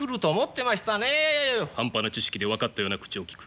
半端な知識で分かったような口をきく。